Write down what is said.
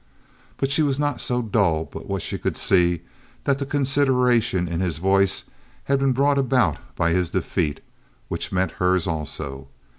But she was not so dull but what she could see that the consideration in his voice had been brought about by his defeat, which meant hers also.